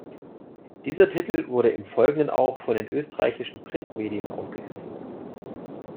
Dieser Titel wurde im Folgenden auch von den österreichischen Printmedien aufgegriffen.